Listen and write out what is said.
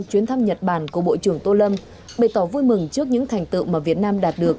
chuyến thăm nhật bản của bộ trưởng tô lâm bày tỏ vui mừng trước những thành tựu mà việt nam đạt được